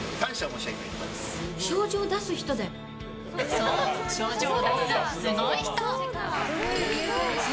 そう、賞状を出すすごい人。